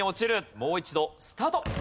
もう一度スタート。